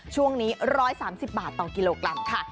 ช่วงนี้๑๓๐บาทต่อกิโลกรัมค่ะ